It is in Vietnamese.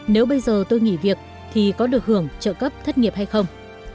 nếu bây giờ tôi nghỉ việc thì có được hưởng trợ cấp thất nghiệp hay không